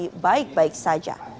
tapi baik baik saja